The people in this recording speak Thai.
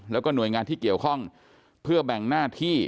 แล้วก็หน่วยงานที่เกี่ยวข้องเพื่อแบ่งหน้าที่